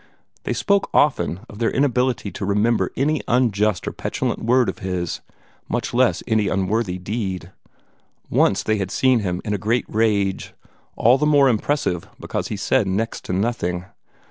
They spoke often of their inability to remember any unjust or petulant word of his much less any unworthy deed. Once they had seen him in a great rage, all the more impressive because he said next to nothing.